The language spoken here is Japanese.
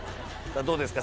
どうですか？